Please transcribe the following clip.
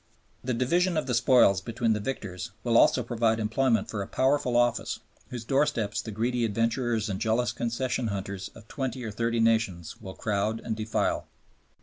The division of the spoils between the victors will also provide employment for a powerful office, whose doorsteps the greedy adventurers and jealous concession hunters of twenty or thirty nations will crowd and defile.